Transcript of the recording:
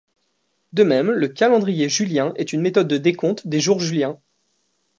De même, le calendrier julien est une méthode de décompte des jours juliens.